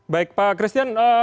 baik pak christian